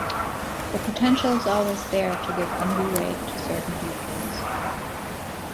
The potential is always there to give undue weight to certain viewpoints.